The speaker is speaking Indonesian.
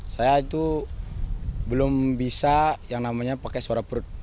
saya itu belum bisa yang namanya pakai suara perut